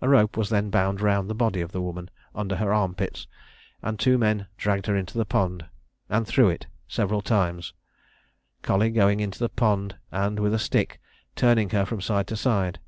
A rope was then bound round the body of the woman, under her arm pits, and two men dragged her into the pond, and through it several times; Colley going into the pond, and, with a stick, turning her from side to side.